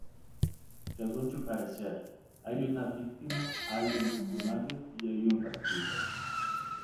Según su parecer, "hay una víctima, hay un victimario y hay un castigo".